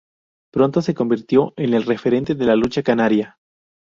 Pronto se convirtió en el referente de la lucha canaria.